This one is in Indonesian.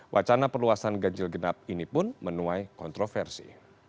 wacana perluasan ganjil genap ini pun menuai kontroversi